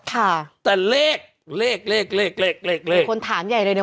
ค่ะแต่เลขเลขเลขเลขคนถามใหญ่เลยเนี้ย